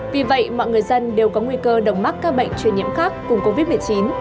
vì vậy mọi người dân đều có nguy cơ đồng mắc các bệnh truyền nhiễm khác cùng covid một mươi chín